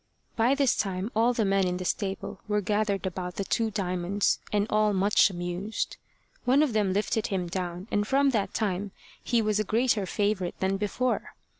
By this time all the men in the stable were gathered about the two Diamonds, and all much amused. One of them lifted him down, and from that time he was a greater favourite than before.